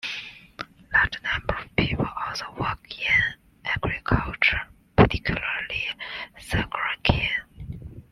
Large numbers of people also work in agriculture, particularly sugarcane.